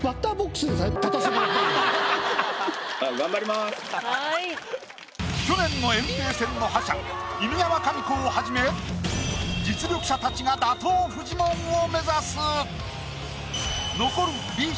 もう去年の炎帝戦の覇者犬山紙子をはじめ実力者たちが打倒フジモンを目指す！